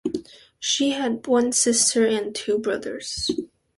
She had one sister and two brothers.